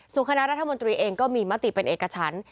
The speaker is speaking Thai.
ส่วนคณะรัฐมนตรีเองก็มีมติเป็นเอกชั้น